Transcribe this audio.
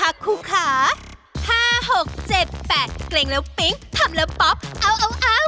ห้าหกเจ็บแปดเกรงแล้วปิ๊งทำแล้วป๊อปเอ้าเอ้าเอ้า